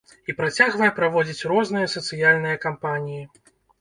І працягвае праводзіць розныя сацыяльныя кампаніі.